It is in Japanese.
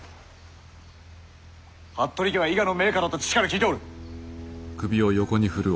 服部家は伊賀の名家だと父から聞いておる！